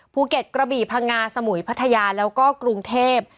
กระบี่พังงาสมุยพัทยาแล้วก็กรุงเทพ